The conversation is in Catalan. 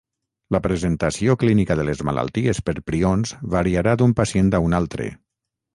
La presentació clínica de les malalties per prions variarà d'un pacient a un altre.